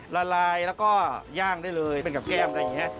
ละลายแล้วก็ย่างได้เลยเป็นกับแก้มอะไรอย่างนี้